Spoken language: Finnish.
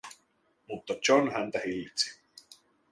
Mutta John häntä hillitsi.